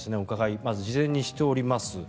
まず、事前にしております。